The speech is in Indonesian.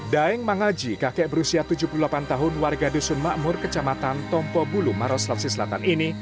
daeng mangaji kakek berusia tujuh puluh delapan tahun warga dusun makmur kecamatan tompo bulu maros lapsi selatan ini